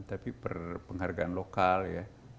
tapi perpenghargaan lokal ya